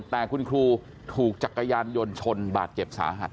แต่คุณครูถูกจักรยานยนต์ชนบาดเจ็บสาหัส